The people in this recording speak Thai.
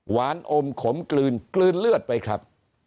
อมขมกลืนกลืนเลือดไปครับ